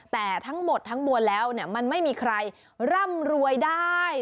แต่ทั้งหมดทั้งมวลแล้วมันไม่มีใครร่ำรวยได้